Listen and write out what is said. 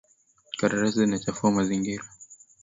Karatasi zinachafua mazingira